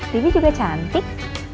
debbie juga cantik